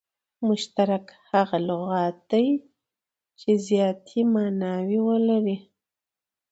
مشترک هغه لغت دئ، چي زیاتي ماناوي ولري.